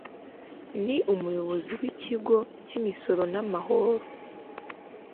n Umuyobozi w Ikigo cy Imisoro n Amahoro